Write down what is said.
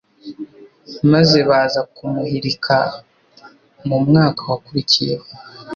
maze baza kumuhirika mu mwaka wakurikiyeho